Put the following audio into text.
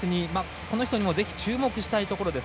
この人にもぜひ注目したいところです。